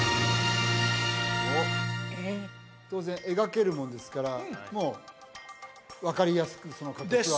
当然描けるもんですからもう分かりやすくです！